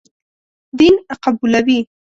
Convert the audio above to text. دین قبولوي.